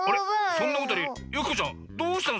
そんなことよりよき子ちゃんどうしたの？